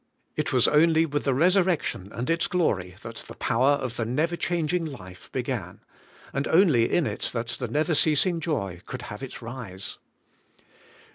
It was only with the resurrection and its glory that the power of the never changing life began, and only in it that the never ceasing joy could have its rise.